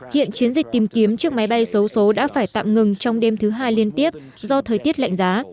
hiện chiến dịch tìm kiếm chiếc máy bay xấu xố đã phải tạm ngừng trong đêm thứ hai liên tiếp do thời tiết lạnh giá